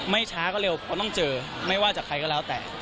ช้าก็เร็วเพราะต้องเจอไม่ว่าจากใครก็แล้วแต่